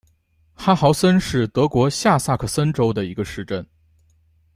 哈豪森是德国下萨克森州的一个市镇。